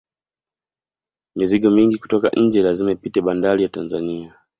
mizigo mingi kutoka nje lazima ipite banbari ya tanzania